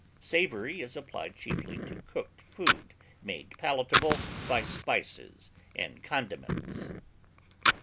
Savory is applied chiefly to cooked food made palatable by spices and condiments.